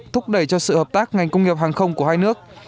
thúc đẩy cho sự hợp tác ngành công nghiệp hàng không của hai nước